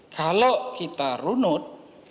kalau kita runut